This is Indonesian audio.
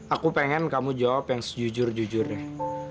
aku pengen kamu jawab yang sejujur jujur deh